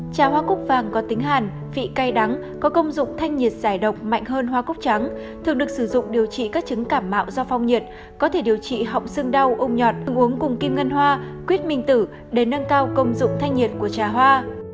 trà hoa cúc vàng có tính hàn vị cay đắng có công dụng thanh nhiệt giải độc mạnh hơn hoa cúc trắng thường được sử dụng điều trị các chứng cảm mạo do phong nhiệt có thể điều trị họng xương đau ung nhọt uống cùng kim ngân hoa quyết minh tử để nâng cao công dụng thanh nhiệt của trà hoa